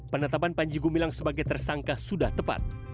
penetapan panjegu bilang sebagai tersangka sudah tepat